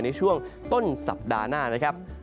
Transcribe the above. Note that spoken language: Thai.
ในช่วงต้นสัปดาห์หน้า